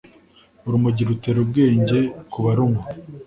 Urumogi rutera ubwenge ku barunwa